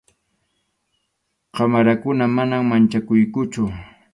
qamarakuna, manam manchakunkuchu.